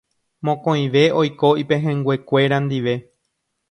Mokõive oiko ipehẽnguekuéra ndive